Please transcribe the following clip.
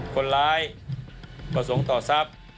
คนร้ายประสงค์ต่อทรัพย์